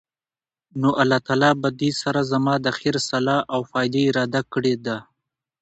نو الله تعالی پدي سره زما د خير، صلاح او فائدي اراده کړي ده